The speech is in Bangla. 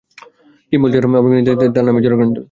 কিম্বল যার কাছে আপনাকে নিতে চায়, তার নাম এজরা গ্রিন্ডল।